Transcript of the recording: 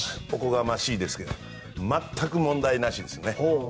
おこがましいですけど全く問題なしですね。